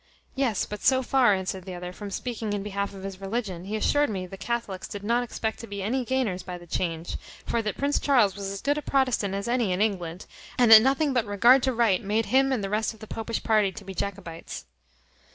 "Yes, but so far," answered the other, "from speaking in behalf of his religion, he assured me the Catholicks did not expect to be any gainers by the change; for that Prince Charles was as good a Protestant as any in England; and that nothing but regard to right made him and the rest of the popish party to be Jacobites."